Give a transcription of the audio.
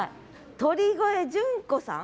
鳥越淳子さん。